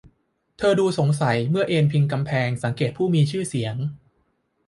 เธอดูสงสัยเมื่อเอนพิงกำแพงสังเกตผู้มีชื่อเสียง